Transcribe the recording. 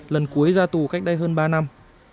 lần cuối ra tù cách đây hơn ba năm